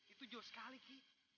itu jauh sekali ki